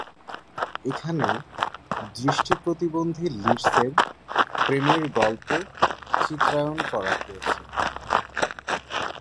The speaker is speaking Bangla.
এখানে দৃষ্টি প্রতিবন্ধী লিডসের প্রেমের গল্প চিত্রায়ন করা হয়েছে।